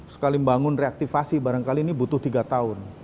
sekali membangun reaktivasi barangkali ini butuh tiga tahun